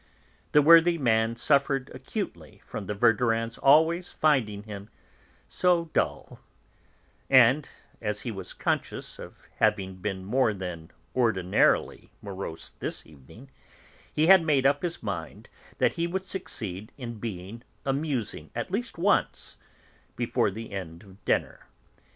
The worthy man suffered acutely from the Verdurins' always finding him so dull; and as he was conscious of having been more than ordinarily morose this evening, he had made up his mind that he would succeed in being amusing, at least once, before the end of dinner.